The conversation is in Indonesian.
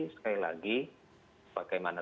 sekali lagi bagaimana